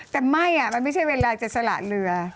แต่ไม่มันไม่ใช่เวลาจะสละเรือ